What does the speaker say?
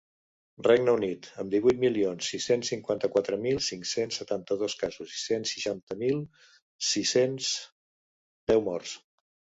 Regne Unit, amb divuit milions sis-cents cinquanta-quatre mil cinc-cents setanta-dos casos i cent seixanta mil sis-cents deu morts.